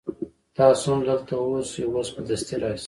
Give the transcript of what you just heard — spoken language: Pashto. تاسو هم دلته اوسئ اوس به دستي راسي.